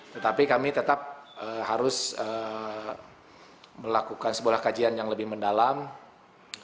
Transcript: tetapi kami tetap harus melakukan sebuah kajian yang lebih mendalam